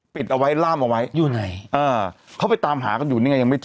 ปิดเอาไว้ล่ามเอาไว้อยู่ไหนเออเขาไปตามหากันอยู่นี่ไงยังไม่เจอ